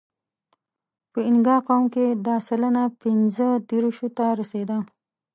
په اینګا قوم کې دا سلنه پینځهدېرشو ته رسېده.